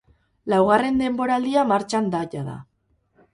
Laugarren denboraldia martxan da jada.